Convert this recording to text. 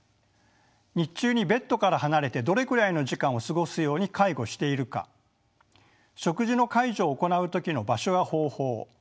日中にベッドから離れてどれくらいの時間を過ごすように介護しているか食事の介助を行う時の場所や方法